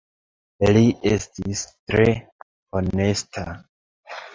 Li estis tre honesta.